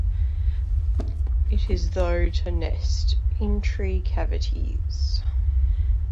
It is though to nest in tree cavities.